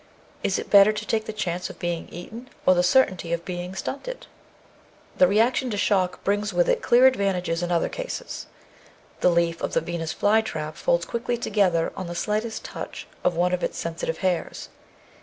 Is it better to take the chance of being eaten or the certainty of being stunted? The reaction to shock brings with it clear advantages in other cases. The leaf of the Venus fly trap folds quickly together on the slightest touch of one of its sensitive hairs.